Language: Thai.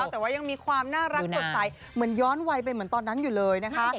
แต่ว่ายังมีความน่ารักสดใสเหมือนย้อนวัยไปเหมือนตอนนั้นอยู่เลยนะคะ